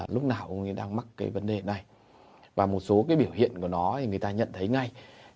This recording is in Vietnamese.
lúc nào ung đang mắc cái vấn đề này và một số cái biểu hiện của nó thì người ta nhận thấy ngay